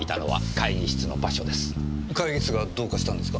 会議室がどうかしたんですか？